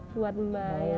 buat mbah ya